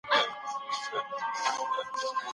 که انسان اطاعت وکړي د خدای رضا به ترلاسه کړي.